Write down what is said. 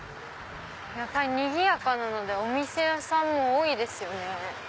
やっぱりにぎやかなのでお店屋さんも多いですよね。